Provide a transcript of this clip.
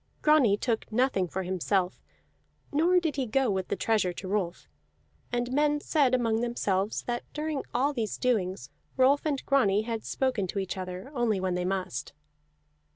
Grani took nothing for himself, nor did he go with the treasure to Rolf; and men said among themselves that, during all these doings, Rolf and Grani had spoken to each other only when they must.